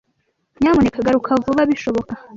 Nyamuneka garuka vuba bishoboka.